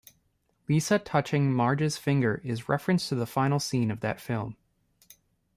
Lisa touching Marge's finger is reference to the final scene of that film.